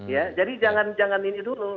ya jadi jangan ini dulu